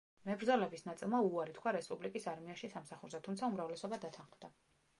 მებრძოლების ნაწილმა უარი თქვა რესპუბლიკის არმიაში სამსახურზე, თუმცა უმრავლესობა დათანხმდა.